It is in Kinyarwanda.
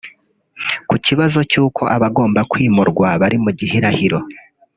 Ku kibazo cy’uko abagomba kwimurwa bari mu gihirahiro